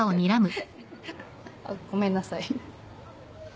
あっごめんなさい。